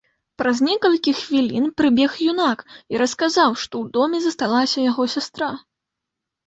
Праз некалькі хвілін прыбег юнак і расказаў, што ў доме засталася яго сястра.